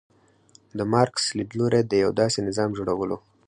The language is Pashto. د مارکس لیدلوری د یو داسې نظام جوړول و.